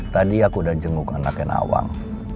tadi aku udah jenguk anaknya nawang